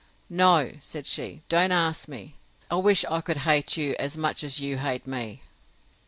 No, said she, don't ask me.—I wish I could hate you, as much as you hate me!